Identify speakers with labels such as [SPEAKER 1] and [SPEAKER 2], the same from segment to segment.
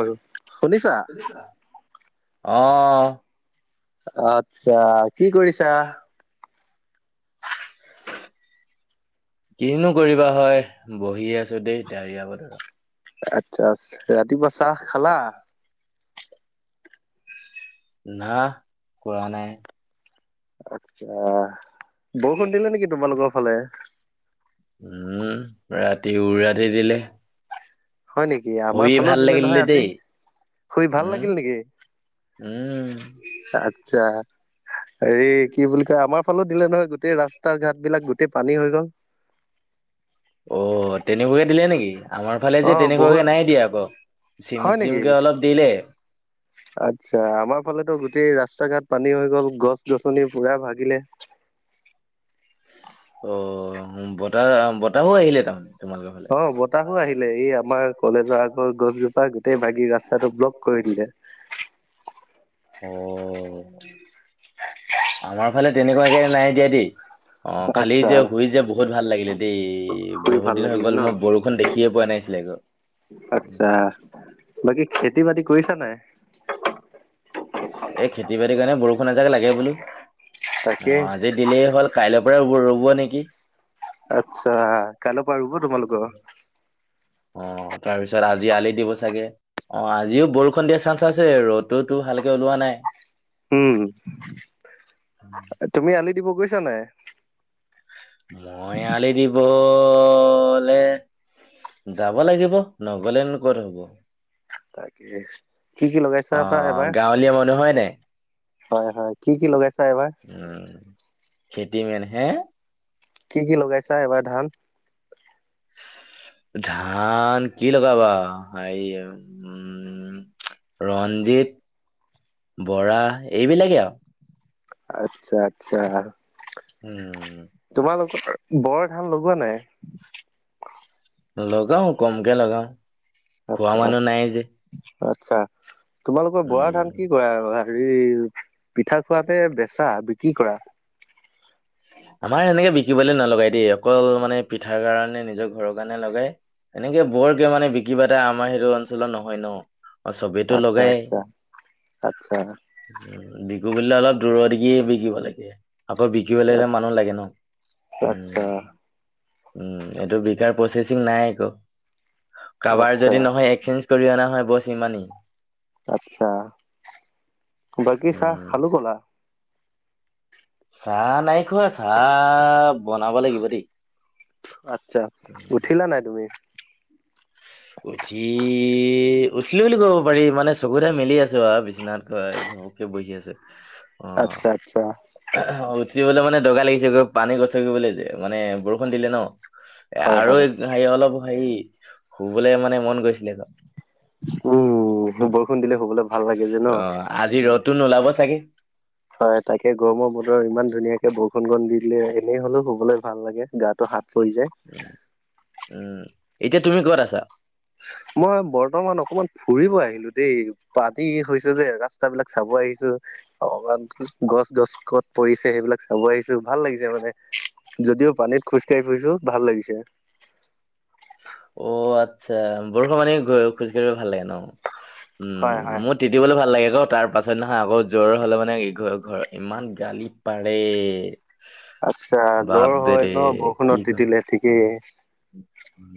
[SPEAKER 1] আৰু
[SPEAKER 2] শুনিছা? অ'।
[SPEAKER 1] আতছা, কি কৰিছা? [inaudible]
[SPEAKER 2] কিনো কৰিবা হয়, বহি আছোঁ দেই ডাৱৰীয়া বতৰত।
[SPEAKER 1] আচ্ছা, আ ৰাতিপুৱা চাহ খালা?
[SPEAKER 2] না, খোৱা নাই।
[SPEAKER 1] আচ্ছা, বৰষুণ দিলে নেকি তোমালোকৰ ফালে?
[SPEAKER 2] উম' ৰাতি উ ৰাতি দিলে।
[SPEAKER 1] হয় নেকি? আমাৰ
[SPEAKER 2] শুই
[SPEAKER 1] ফালেও
[SPEAKER 2] ভাল
[SPEAKER 1] দিলে নহয়
[SPEAKER 2] লাগিলে
[SPEAKER 1] আজি।
[SPEAKER 2] দেই
[SPEAKER 1] শুই ভাল
[SPEAKER 2] উম
[SPEAKER 1] লাগিল নেকি?
[SPEAKER 2] উম
[SPEAKER 1] আচ্ছা, হেৰি কি বুলি কয়? আমাৰ ফালেও দিলে নহয়, গোটেই ৰাস্তা-ঘাট বিলাক গোটেই পানী হৈ গ'ল।
[SPEAKER 2] অ' তেনেকুৱাকে দিলে নেকি? আমাৰ ফালে
[SPEAKER 1] অ
[SPEAKER 2] যে
[SPEAKER 1] বহুত
[SPEAKER 2] তেনেকুৱাকে নাই দিয়া আক,
[SPEAKER 1] হয় নেকি
[SPEAKER 2] চিম-চিমকে অলপ দিলে।
[SPEAKER 1] [inaudible] আচ্ছা, আমাৰ ফালেতো গোটেই ৰাস্তা-ঘাট পানী হৈ গ'ল, গছ-গছনি পুৰা ভাগিলে।
[SPEAKER 2] অ' বতাহ-বতাহো আহিলে তাৰমানে তোমালোকৰ। ফালে
[SPEAKER 1] অ' বতাহো আহিলে, এই আমাৰ কলেজৰ আগৰ গছজোপা গোটেই ভাগী ৰাস্তাটো ব্লক কৰি দিলে।
[SPEAKER 2] অ', আমাৰ ফালে তেনেকুৱাকে নাই দিয়া দেই। অ', খালি যে
[SPEAKER 1] আচ্ছা
[SPEAKER 2] শুই যে বহুত ভাল লাগিলে দেই।
[SPEAKER 1] শুই
[SPEAKER 2] বহুত
[SPEAKER 1] ভাল
[SPEAKER 2] দিন হৈ
[SPEAKER 1] লাগিলে
[SPEAKER 2] গ'ল,
[SPEAKER 1] ন
[SPEAKER 2] মই বৰষুণ দেখিয়ে পোৱা নাছিলে আক।
[SPEAKER 1] আতছা, বাকী-খেতি বাতি কৰিছা নাই?
[SPEAKER 2] এই খেতি-বাতিৰ কাৰণে বৰষুণ এজাক লাগে বোলো,
[SPEAKER 1] তাকে
[SPEAKER 2] অ আজি দিলেই হ'ল, কাইলৰ পৰা ৰুব ৰ'ব নেকি?
[SPEAKER 1] আচ্ছা, কাইলৈ পৰা ৰুব তোমালোকৰ?
[SPEAKER 2] অ', তাৰপিছত আজি আলি দিব চাগে। অ', আজিও বৰষুণ দিয়া চান্স আছে, ৰ'দোতো ভালকে ওলোৱা নাই।
[SPEAKER 1] উম, তুমি আলি দিব গৈছা নাই?
[SPEAKER 2] মই আলি দিবলে - যাব লাগিব, নগলেনো ক'ত হব।
[SPEAKER 1] তাকে, কি কি লগাইছা বা
[SPEAKER 2] অ',
[SPEAKER 1] এইবাৰ?
[SPEAKER 2] গাঁৱলীয়া মানুহ হয় নাই
[SPEAKER 1] হয় হয়, কি কি লগাইছা এইবাৰ?
[SPEAKER 2] উম, খেতি মেইন। হে?
[SPEAKER 1] কি কি লগাইছা এইবাৰ ধান?
[SPEAKER 2] ধান কি লগাবা সেই উম - উম, ৰঞ্জিত, বৰা এইবিলাকে আও।
[SPEAKER 1] আচ্ছা আচ্ছা।
[SPEAKER 2] উম।
[SPEAKER 1] তোমালোকৰ বৰ ধান লগোৱা নাই?
[SPEAKER 2] লগাও কমকে লগাও খোৱা
[SPEAKER 1] আচ্ছা
[SPEAKER 2] মানুহ নাই যে।
[SPEAKER 1] আচ্ছা, তোমালোকৰ বৰা
[SPEAKER 2] উম
[SPEAKER 1] ধান কি? কি কৰা হেৰি পিঠা খোৱাতে বেচা বিক্ৰী কৰা?
[SPEAKER 2] আমাৰ সেনেকে বিকিবলে নলগায় দেই অকল মানে পিঠাৰ কাৰণে নিজৰ ঘৰৰ কাৰণে লগাই - এনেকে বৰকে মানে বিক্ৰী বাতা আমাৰ সেইটো অঞ্চলত নহয় ন। অ' চবেটো
[SPEAKER 1] আচ্ছা
[SPEAKER 2] লগায়েই।
[SPEAKER 1] আচ্ছা আচ্ছা
[SPEAKER 2] উ বিকু বুলিলে অলপ দূৰৰ দিগি বিকিব লাগে। আকৌ বিক - বিকিবলে হ'লে মানুহ লাগে ন।
[SPEAKER 1] আচ্ছা
[SPEAKER 2] উম উম, এইটো বিকাৰ প্ৰচেচিং নাই একো কাৰাবাৰ
[SPEAKER 1] আচ্ছা
[SPEAKER 2] যদি নহয় একচেঞ্চ - কৰি অনা হয় বচ সিমানেই।
[SPEAKER 1] আচ্ছা, বাকী চাহ
[SPEAKER 2] উম
[SPEAKER 1] খালো কলা।
[SPEAKER 2] চাহ নাই খোৱা চাহ বনাব লাগিব দেই।
[SPEAKER 1] আচ্ছা, উঠিলা নাই তুমি?
[SPEAKER 2] উঠি উঠিলো বুলি কব পাৰি মানে চকু কেইটা মেলি আছো আৰু বিচনাত - ব বহি আছো।
[SPEAKER 1] আচ্ছা, আচ্ছা।
[SPEAKER 2] অ উঠিবলে মানে দগা লাগিছে ক। পানী গছকিবলে যে, মানে বৰষুণ দিলে ন। এ
[SPEAKER 1] হয়
[SPEAKER 2] আৰু
[SPEAKER 1] হয়
[SPEAKER 2] হেৰি অলপ হেৰি শুবলে মানে মন গৈছিলে ক।
[SPEAKER 1] উম, বৰষুণ দিলে শুবলে ভাল লাগে যে ন?
[SPEAKER 2] অ আজি ৰ'দটো নুলাব চাগে!
[SPEAKER 1] হয় তাকে গৰমৰ বতৰ ইমান ধুনীয়াকে বৰষুণ কণ দি দিলে এনেই হলেও শুবলে ভাল লাগে। গাটো হাত পৰি যায়।
[SPEAKER 2] উ উম, এতিয়া তুমি কত আছা?
[SPEAKER 1] মই বৰ্তমান অকমান ফুৰিব আহিলো দেই পানী হৈছে যে ৰাস্তা বিলাক চাব আহিছো। অকমান গছ গছ কত পৰিছে সেইবিলাক চাব আহিছো ভাল লাগিছে মানে - যদিও পানীত খোজকাঢ়ি ফুৰিছো ভাল লাগিছে।
[SPEAKER 2] অ আচ্ছা, বৰষুণ মানে খোজকাঢ়িব ভাল লাগে ন,
[SPEAKER 1] হয় হয়
[SPEAKER 2] উম ম - তিতিবলে ভাল লাগে ক, তাৰ পাছত দিনাখন আকৌ জ্বৰ হলে মানে ঘৰত ইমান গালি পাৰে।
[SPEAKER 1] আচ্ছা, জ্বৰ হয়
[SPEAKER 2] বাপদেৰে
[SPEAKER 1] ন বৰষুণত তিতিলে ঠিকেই।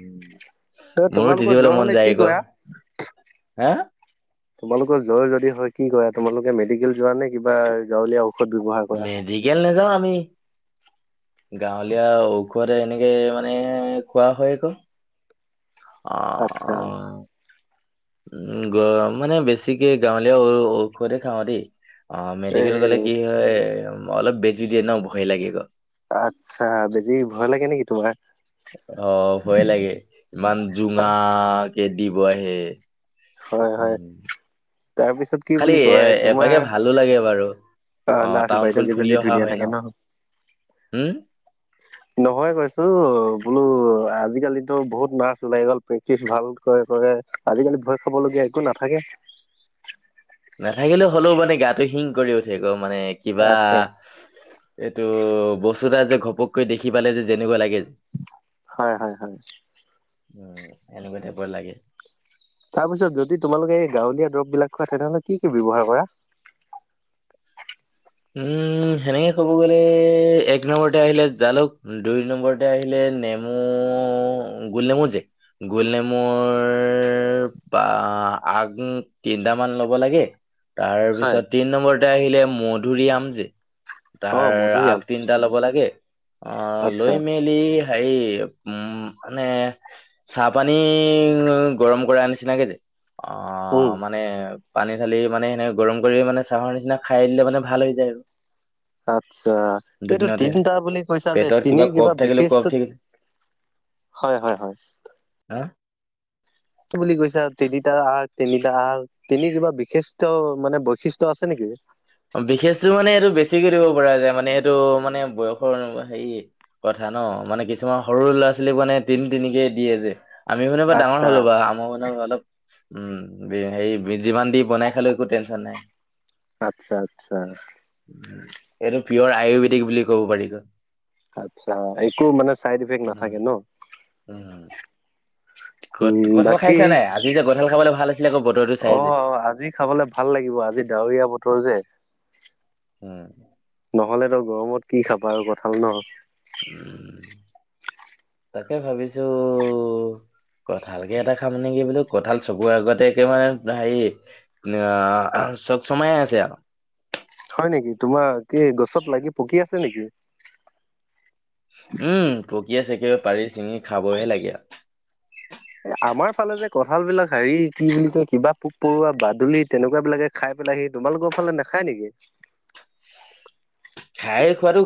[SPEAKER 2] উম,
[SPEAKER 1] ত
[SPEAKER 2] মোৰো
[SPEAKER 1] তোমালোকৰ জ্বৰ
[SPEAKER 2] তিতিবলে
[SPEAKER 1] হলে
[SPEAKER 2] মন
[SPEAKER 1] কি
[SPEAKER 2] যায় ক,
[SPEAKER 1] কৰা
[SPEAKER 2] হা?
[SPEAKER 1] তোমালোকৰ জ্বৰ যদি হয়, কি কৰা? তোমালোকে মেডিকেল যোৱা নে কিবা গাঁৱলীয়া ঔ -
[SPEAKER 2] মেডিকেল নাযাওঁ আমি। গাঁৱলীয়া ঔষধে এনেকে মানে খোৱা হয় আক।
[SPEAKER 1] আচ্ছা
[SPEAKER 2] উম গ মানে বেছিকে গাঁৱলীয়া ঔষধ হে খাওঁ দেই অ মেডিকেল গ'লে কি
[SPEAKER 1] এই
[SPEAKER 2] হয় অলপ বেজি দিয়ে ন ভয় লাগে গ
[SPEAKER 1] আচ্ছা বেজী ভয় লাগে নেকি তোমাৰ
[SPEAKER 2] অ ভয়ে লাগে ইমান জোঙকে দিব আহে
[SPEAKER 1] হয় হয়
[SPEAKER 2] উম,
[SPEAKER 1] তাৰপিছত কি
[SPEAKER 2] খালি
[SPEAKER 1] বুলি
[SPEAKER 2] এ
[SPEAKER 1] কয় তোমাৰ
[SPEAKER 2] এপাকে ভালো লাগে বাৰু
[SPEAKER 1] অ নাচ বাইদউ
[SPEAKER 2] টাউনখন ফুৰি
[SPEAKER 1] কেইজনী
[SPEAKER 2] অহা
[SPEAKER 1] ধুনীয়া
[SPEAKER 2] হয়
[SPEAKER 1] থাকে ন
[SPEAKER 2] উম,
[SPEAKER 1] নহয় কৈছো বোলো আজিকালিতো বহুত নাৰ্ছ ওলাই গ'ল প্ৰেক্টিচ ভাল কৰে কৰে আজিকালি ভয় খাবলগীয়া একো নাথাকে
[SPEAKER 2] নাথাকিলেও হ'লেও মানে গাটো শিং কৰি উঠে আকৌ মানে কিবা
[SPEAKER 1] আচ্ছা
[SPEAKER 2] এইটো বস্তু এটা যে ঘপককৈ দেখি পালে যেনেকুৱা লাগে যে
[SPEAKER 1] হয় হয় হয়
[SPEAKER 2] উম এনেকুৱা টাইপৰ লাগে
[SPEAKER 1] তাৰ পিছত যদি তোমালোকে এই গাঁৱলীয়া দৰববিলাক খুৱা তেনেহ'লে কি কি ব্যৱহাৰ কৰা
[SPEAKER 2] উম সেনেকে ক'ব গ'লে এক নম্বৰতে আহিলে জালুক দুই নম্বৰ তে আহিলে নেমু গোল নেমু যে গোল নেমুৰ বা আগ তিনিটামান ল'ব লাগে
[SPEAKER 1] হয়
[SPEAKER 2] তাৰপিছত তিন নম্বৰতে আহিলে মধুৰী আমজে
[SPEAKER 1] অ
[SPEAKER 2] তাৰ
[SPEAKER 1] মধুৰিআম
[SPEAKER 2] আগ তিন টা ল'ব লাগে অ
[SPEAKER 1] আচ্ছা
[SPEAKER 2] লৈ মেলি হাই উম মানে চাহপানী গৰম কৰা নিচিনাকে যে অ
[SPEAKER 1] উম,
[SPEAKER 2] মানে পানী ধালি মানে সেনেকে গৰম কৰি মানে চাহৰ নিচিনা খাই দিলে মানে ভাল হৈ যায়
[SPEAKER 1] আচ্ছা এইটো
[SPEAKER 2] দুদিনতে
[SPEAKER 1] তিনিটা বুলি কৈছা যে
[SPEAKER 2] পেটত
[SPEAKER 1] তিনি কিবা
[SPEAKER 2] কফ থাকিলে
[SPEAKER 1] বিশেষত্ব
[SPEAKER 2] কফ থাকিল
[SPEAKER 1] হয় হয় হয়
[SPEAKER 2] হা
[SPEAKER 1] বুলি কৈছে আৰু তিনিটা আগ তিনিটা আল তিনি কিবা বিশিষ্ট মানে বৈশিষ্ট্য আছে নেকি
[SPEAKER 2] বিশেষতটো মানে এইটো বেছিকৈ দিব পৰা যায় মানে এইটো মানে বয়সৰ অনু মান হেৰি কথা ন মানে কিছুমান সৰু ল'ৰা ছোৱালীক মানে তিনি তিনিকেই দিয়ে যে আমি ভোনে বাও ডাঙৰ
[SPEAKER 1] আচ্ছা
[SPEAKER 2] হ'লো বা আম মান অলপ উম হাই যিমান দি বনাই খালৈ একো টেনশচন নাই
[SPEAKER 1] আচ্ছা আচ্ছা
[SPEAKER 2] উম, এইটো পিয়ৰ আয়ুৰ্বেদিক বুলি ক'ব পাৰি
[SPEAKER 1] আচ্ছা একো মানে চাইড ইফেক্ট
[SPEAKER 2] উম
[SPEAKER 1] নাথাকে ন
[SPEAKER 2] ক'ত
[SPEAKER 1] উম,
[SPEAKER 2] কঁঠাল
[SPEAKER 1] বাকী
[SPEAKER 2] খাইছা নাই আজি যে কঁঠাল খাবলে ভাল আছিলে আকৌ বতৰটো চাই
[SPEAKER 1] অ
[SPEAKER 2] যে
[SPEAKER 1] আজি খাবলে ভাল লাগিব আজি ডাৱৰীয়া বতৰ যে
[SPEAKER 2] উম
[SPEAKER 1] নহলে ত গৰমত কি খাবা আৰু কঠাল ন
[SPEAKER 2] উম তাকে ভাবিছো কঁঠাল কে এটা খাম নেকি বোলো কঁঠাল চকুৰ আগতে একে মানে হাই চক চমাম আছে আও
[SPEAKER 1] হয় নেকি তোমাৰ কি গছত লাগি পকি আছে নেকি
[SPEAKER 2] উম পকি আছে একেবাৰে পাৰি ছিঙি খাবহে লাগেয়া
[SPEAKER 1] এ আমাৰ ফালে যে কঁঠাল বিলাক হেৰি কি বুলি কয় কিবা পোক পৰুৱা, বাদুলি তেনেকুৱা বিলাকে খাই পিলা সি তোমালোকৰ ফালে নেখায় নেকি।
[SPEAKER 2] খাই খোৱাতো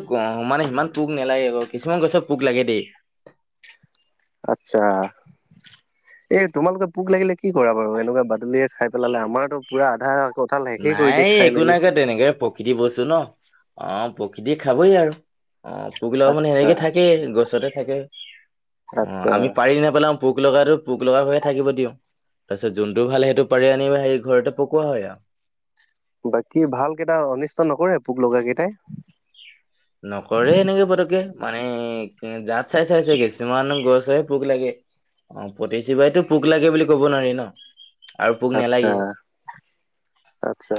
[SPEAKER 2] মানে ইমান পোক নালাগে বাৰু কিছুমান গছত পোক লাগে দেই।
[SPEAKER 1] আচ্ছা। এ তোমালোকে পোক লাগিলে কি কৰা বাৰু এনেকুৱা বাদুলিয়ে খাই পেলালে আমাৰতো পোৰা আধা। কঁঠাল শেষেই কৰি দিয়ে
[SPEAKER 2] নাই
[SPEAKER 1] খাই
[SPEAKER 2] একো
[SPEAKER 1] মেলি।
[SPEAKER 2] নাই ক তেনেকে প্ৰকৃতি বস্তু ন অ প্ৰকৃতি খাবই আৰু। অ পকিলাও মানে
[SPEAKER 1] আচ্ছা
[SPEAKER 2] হেৰিকে থাকে গছতে থাকে। অ
[SPEAKER 1] আচ্ছা
[SPEAKER 2] আমি পাৰি নেপেলাও পোক লগাটো পোক লগা হৈয়ে থাকিব দিওঁ। তাৰপিছত যোনটো ভাল সেইটো পাৰি আনিবা হেৰি ঘৰতে পকোৱা হয় আৰু।
[SPEAKER 1] বাকী ভালকেইটা অনিষ্ট নকৰে পোক লগা কেইটাই।
[SPEAKER 2] নকৰে সেনেকে পটকে মানে জাত চাই চাই আছে কিছুমান গছে। পোক লাগে অ পতিজোপাই ত পোক লাগে বুলি কব নোৱাৰি ন। আৰু পোক
[SPEAKER 1] আচ্ছা।
[SPEAKER 2] নালাগে।
[SPEAKER 1] আচ্ছা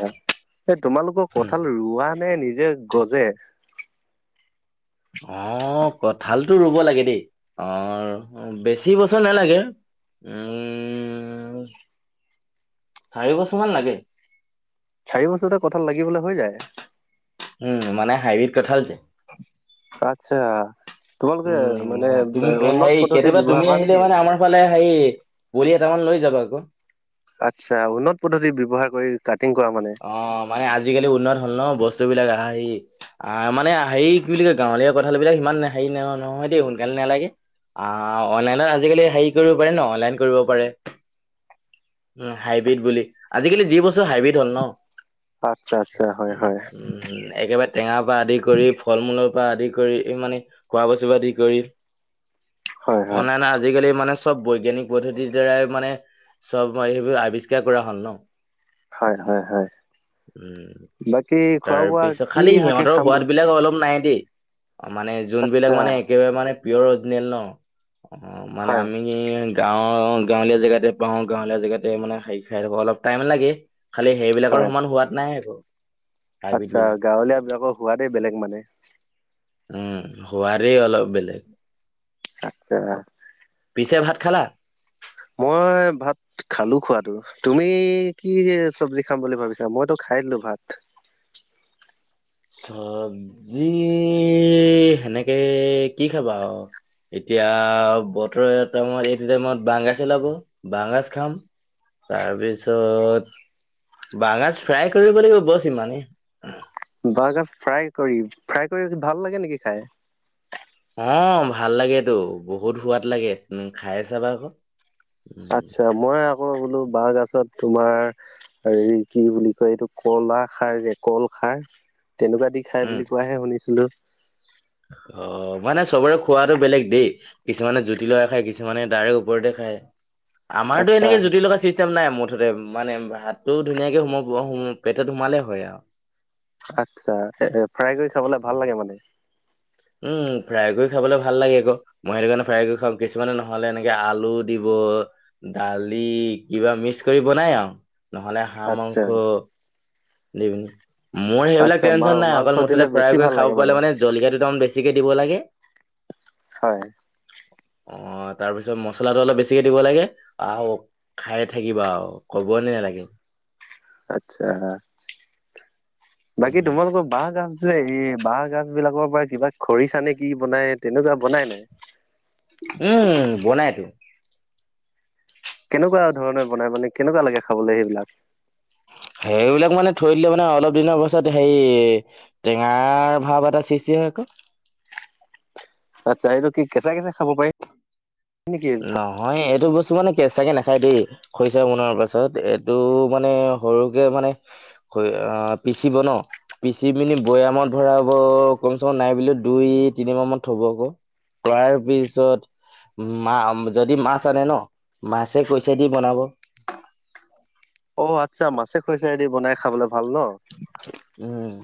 [SPEAKER 1] এ তোমালোকৰ কঠাল ৰুৱা নে নিজে গজে।
[SPEAKER 2] অ কঠালতটো ৰুব লাগে দেই অ। বেছি বছৰ নালাগে উম। চাৰি বছৰমান লাগে।
[SPEAKER 1] চাৰি বছৰতে কথাল লাগিবলৈ হৈ যায়।
[SPEAKER 2] উম মানে হাইৰিত কঠাল যে।
[SPEAKER 1] আচ্ছা তোমালোকে মানে
[SPEAKER 2] উম তুমি
[SPEAKER 1] উন্নত
[SPEAKER 2] হেৰি
[SPEAKER 1] পদ্ধতি
[SPEAKER 2] কেতিয়াবা তুমি
[SPEAKER 1] ব্যৱহাৰ কৰা
[SPEAKER 2] আহিলে
[SPEAKER 1] নেকি।
[SPEAKER 2] মানে আমাৰ ফালে হেই বুলি এটা মান লৈ যাবা কৌ।
[SPEAKER 1] আচ্ছা উন্নত পদ্ধতি ব্যৱহাৰ কৰি কাটিং কৰা মানে।
[SPEAKER 2] অ মানে আজিকালি উন্নত হল ন বস্তু বিলাক আহাঁ সি। আহ মানে হেৰি কি বুলি কয় গাঁৱলীয়া কঠাল বিলাক ইমান হেৰি ন নহয় দেই সোনকালে নালাগে। আ অনলাইনত আজিকালি হেৰি কৰিব পাৰি ন অনলাইন কৰিব পাৰে। উম হাইব্ৰীড বুলি আজিকালি যি বস্তু হাইব্ৰীড হ'ল ন
[SPEAKER 1] আচ্ছা আচ্ছা হয়
[SPEAKER 2] উম
[SPEAKER 1] হয়
[SPEAKER 2] উম। উম একেবাৰে টেঙাৰ পৰা আদি কৰি ফল মূলৰ পৰা আদি কৰি ই মানে। খোৱা বস্তু আদি কৰি
[SPEAKER 1] হয় হয়
[SPEAKER 2] অনলাইন আজিকালি মানে। চব বৈজ্ঞানিক পদ্ধতিৰ দ্বাৰাই মানে চব সেইবোৰ আৱিষ্কাৰ কৰা হ'ল ন।
[SPEAKER 1] হয়-হয়-হয়।
[SPEAKER 2] উম
[SPEAKER 1] বোৱা
[SPEAKER 2] তাৰপিছত
[SPEAKER 1] কি
[SPEAKER 2] খালি
[SPEAKER 1] শাকে
[SPEAKER 2] সিহঁতৰ
[SPEAKER 1] খাম
[SPEAKER 2] সোৱাদ
[SPEAKER 1] বুলি
[SPEAKER 2] বিলাক অলপ নাই দেই। মানে
[SPEAKER 1] আচ্ছা
[SPEAKER 2] যোনবিলাক মানে একেবাৰে মানে পিয়ৰ অৰজিনেল ন অ মানে
[SPEAKER 1] হয়
[SPEAKER 2] আমি। এ গাঁৱৰ গাঁৱলীয়া জেগাতে পাও গাঁৱলীয়া জেগাতে মানে হেই খাই [inaudible] অলপ টাইম লাগে। খালি সেইবিলাকৰ
[SPEAKER 1] হয়
[SPEAKER 2] সমান সোৱাদ নাই আকৌ। হাইব্ৰীড
[SPEAKER 1] আচ্ছা
[SPEAKER 2] বিলাক
[SPEAKER 1] গাঁৱলীয়া বিলাকৰ সোৱাদেই বেলেগ মানে।
[SPEAKER 2] উম সোৱাদেই অলপ বেলেগ।
[SPEAKER 1] আচ্ছা।
[SPEAKER 2] পিছে ভাত খালা।
[SPEAKER 1] মই ভাত। খালো খোৱাতটো তুমি কি চব্জি খাম বুলি ভাবিছা মইতো খাই দিলো ভাত।
[SPEAKER 2] চব্জি সেনেকে কি খাবা আও। এতিয়া বতৰ টাইমত এইটো টাইমত বাহগাজ উলাব বাহগাজ খাম। তাৰপিছত। বাহগাজ ফ্ৰাই কৰিব লাগিব বছ সিমানেই।
[SPEAKER 1] বাহগাজ ফ্ৰাই কৰি ফ্ৰাই কৰি ভাল লাগে নেকি খাই।
[SPEAKER 2] অ ভাল লাগেতৌ বহুত সোৱাদ লাগে [inaudible] খাই ছাবা কৌ।
[SPEAKER 1] আচ্ছা মই আকৌ বোলো বাঁহ গছত তোমাৰ [unintelligible] হেৰি কি বুলি কয় এইটো কলা খাৰ যে কল খাৰ তেনেকুৱা দি [unintelligible] খাই
[SPEAKER 2] উম,
[SPEAKER 1] বুলি কোৱাহে শুনিছিলো। [unintelligible]
[SPEAKER 2] অ! মানে চবৰে খোৱাটো বেলেগ দেই। [unintelligible] কিছুমানে জুতি লগা খায়, কিছুমানে তাৰে ওপৰতে খায়। আমাৰতো
[SPEAKER 1] আচ্ছা
[SPEAKER 2] এনেকে জুতি লগা সৃষ্ট [unintelligible] চিষ্টেম নাই মুঠতে মানে ভাতটোও ধুনীয়াকে সোমাব [unintelligible] পেটত সোমালে হয় আৰু।
[SPEAKER 1] আচ্ছা ফ্ৰাই কৰি খাবলে ভাল লাগে মানে। [unintelligible]
[SPEAKER 2] উম! ফ্ৰাই কৰি খাবলৈ ভাল লাগে আকৌ। [unintelligible] মই সেইটো কাৰণে ফ্ৰাই কৰি খাওঁ, কিছুমানে নহলে এনেকে আলু দিব [unintelligible] দালি কিবা মিক্স কৰি বনাই আৰু নহলে হাঁহ
[SPEAKER 1] আচ্ছা
[SPEAKER 2] মাংস [unintelligible] দি [unintelligible] মোৰ সেইবিলাক
[SPEAKER 1] আচ্ছা মা
[SPEAKER 2] টেনশ্যন নাই
[SPEAKER 1] মাংস
[SPEAKER 2] অকল
[SPEAKER 1] দিলে
[SPEAKER 2] মুঠতে
[SPEAKER 1] বেছি
[SPEAKER 2] ফ্ৰাই
[SPEAKER 1] ভাল
[SPEAKER 2] কৰি
[SPEAKER 1] লাগে
[SPEAKER 2] খাব পালে মানে [inaudible] জলকীয়া দুটামান বেছিকৈ দিব লাগে। [unintelligible]
[SPEAKER 1] হয়। [inaudible]
[SPEAKER 2] অঁ! তাৰপিছত মচলাটো অলপ বেছিকে দিব লাগে আহ [unintelligible] খায়ে থাকিবা আৰু কব নেলাগে। [unintelligible]
[SPEAKER 1] আচ্ছা! বাকী তোমালোকৰ [unintelligible] বাঁহ গাজ যে এই বাঁহ গাজবিলাকৰ পৰা কিবা খৰিচা নে কি বনাই তেনেকুৱা বনাই নাই? [unintelligible]
[SPEAKER 2] উম! বনাইটো। [unintelligible]
[SPEAKER 1] কেনেকুৱা ধৰণে বনাই মানে কেনেকুৱা লাগে খাবলৈ সেইবিলাক? [unintelligible]
[SPEAKER 2] সেইবিলাক মানে থৈ দিলে মানে অলপ দিনৰ পাছত হেৰি [unintelligible] টেঙাৰ ভাৱ এটা সৃষ্টি হয় আকৌ। [unintelligible]
[SPEAKER 1] আতছা! এইটো কি কেঁচা-কেঁচা খাব পাৰি? [unintelligible]
[SPEAKER 2] নহয় এইটো বস্তু মানে কেঁচাকে নাখায় দেই। [unintelligible] খইচা বনোৱাৰ পাছত এইটো মানে সৰুকে মানে [unintelligible] [unintelligible] অ! পিচিব ন পিচি পিনি বৈয়ামত ভৰাব, কমচে কম নাই বুলিও দুই, তিনি মাহ মান থব আকৌ। [unintelligible] তাৰ পিছত [unintelligible] মা যদি মাছ আনে ন মাছে, খ্ইচা দি বনাব। [unintelligible]
[SPEAKER 1] অ আচ্ছা মাছে খৰিচা দি বনাই খাবলৈ ভাল ন? [unintelligible]
[SPEAKER 2] [unintelligible] উম!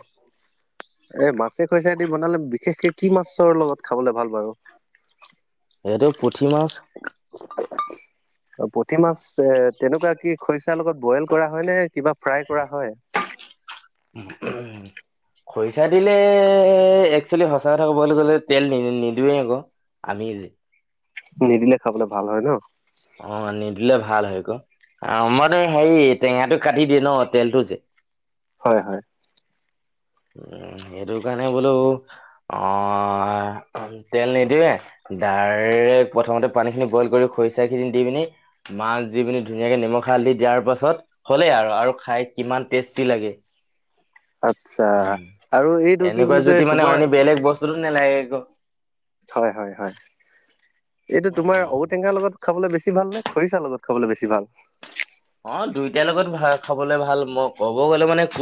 [SPEAKER 1] এ মাছে খৰিচাই দি বনালে বিশেষকে কি মাছৰ লগত খাবলে ভাল বাৰু? [unintelligible]
[SPEAKER 2] এইটো পুঠি মাছ। [unintelligible]
[SPEAKER 1] [unintelligible] অ, পুঠি মাছ এ তেনেকুৱা কি খৰিচা লগত বইল কৰা হয় নে? কিবা ফ্ৰাই কৰা হয়? [unintelligible]
[SPEAKER 2] [unintelligible] খৰিচা দিলে একচুৱেলি সঁচা কথা ক'বলৈ গলে তেল নি নিদোৱেই আকৌ। [unintelligible] আমি যে। [inaudible]
[SPEAKER 1] নিদিলে খাবলৈ ভাল হয় ন? [inaudible]
[SPEAKER 2] অঁ! নিদিলে ভাল হয় ক আহ মানে হেৰি টেঙাটো কাটি দিয়ে ন তেলটো যে। [unintelligible]
[SPEAKER 1] হয়-হয়। [inaudible]
[SPEAKER 2] উম সেইটো কাৰণে বোলো অঁ [unintelligible] তেল নিদিওঁৱে দাৰেক প্ৰথমতে পানীখিনি বইল কৰি খৰিচাখিনি দি পিনি [unintelligible] মাছ দি পিনি ধুনীয়াকে নিমখ, হালধি দিয়াৰ পাছত হ'লেই আৰু-আৰু খাই কিমান টেষ্টি লাগে। [unintelligible]
[SPEAKER 1] আচ্ছা
[SPEAKER 2] উম!
[SPEAKER 1] আৰু এইটো কি বুলি
[SPEAKER 2] এনেকুৱা
[SPEAKER 1] কয়
[SPEAKER 2] যদি মানে অ
[SPEAKER 1] তোমাৰ
[SPEAKER 2] বেলেগ বস্তুতো নালাগে একো [unintelligible]
[SPEAKER 1] হয়-হয়-হয়। [inaudible] এইটো তোমাৰ
[SPEAKER 2] উম,
[SPEAKER 1] ঔটেঙাৰ লগত খাবলে বেছি ভাল নে খৰিচাৰ লগত খাবলে বেছি ভাল?
[SPEAKER 2] অঁ দুইটাৰ লগত ভা খাবলৈ ভাল। মই ক'ব গ'লে মানে গোট